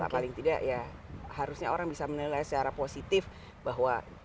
paling tidak ya harusnya orang bisa menilai secara positif bahwa